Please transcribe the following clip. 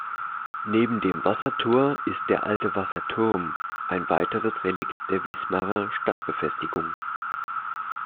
Neben dem Wassertor ist der Alte Wasserturm ein weiteres Relikt der Wismarer Stadtbefestigung.